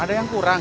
ada yang kurang